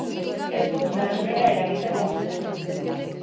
Ez dut nahasmena eragiten lagunduko.